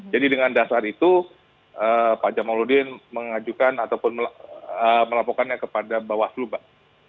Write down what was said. jadi dengan dasar itu pak jamaludin mengajukan ataupun melaporkannya kepada bawaslu mbak